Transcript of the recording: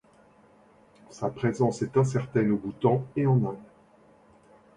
Sa présence est incertaine au Bhoutan et en Inde.